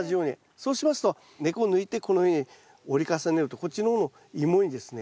そうしますと根っこを抜いてこのように折り重ねるとこっちの方のイモにですね